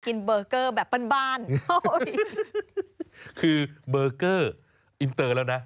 เบอร์เกอร์แบบบ้านบ้านคือเบอร์เกอร์อินเตอร์แล้วนะ